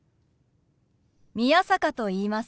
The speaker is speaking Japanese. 宮坂と言います。